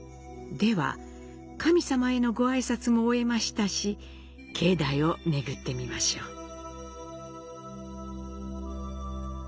では、神様へのご挨拶も終えましたし、境内を巡ってみましょう。